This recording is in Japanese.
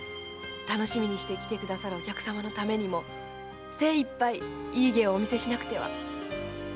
楽しみにして来てくださるお客さまのためにも精一杯いい芸をお見せしなくては。